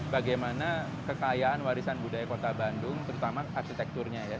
bagaimana kekayaan warisan budaya kota bandung terutama arsitekturnya ya